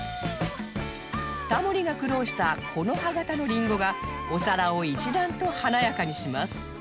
タモリが苦労した木葉型のリンゴがお皿を一段と華やかにします